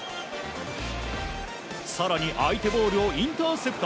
更に相手ボールをインターセプト。